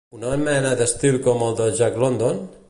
Una mena d'estil com el de Jack London?